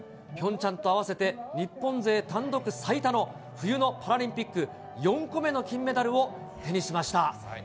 ピョンチャンと合わせて日本勢単独最多の、冬のパラリンピック、４個目の金メダルを手にしました。